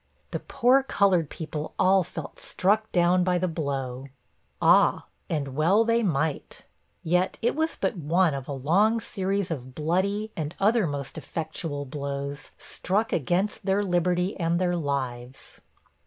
The poor colored people all felt struck down by the blow.' Ah! and well they might. Yet it was but one of a long series of bloody, and other most effectual blows, struck against their liberty and their lives.